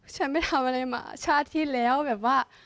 ฉันไปทำอะไรมาชาติที่แล้วแบบว่า